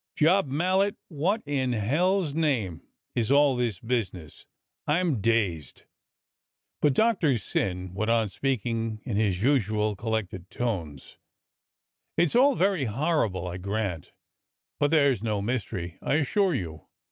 "Job Mallet, what in hell's name is all this business.f^ I'm dazed." But Doctor Syn went on speaking in his usual col lected tones :" It's all very horrible, I grant, but there's no mystery, I assure you.